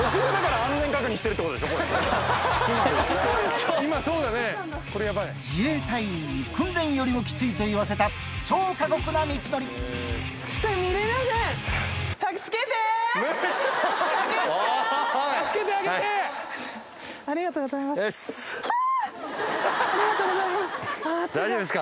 ありがとうございます。